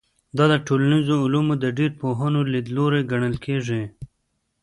دا د ټولنیزو علومو د ډېرو پوهانو لیدلوری ګڼل کېږي.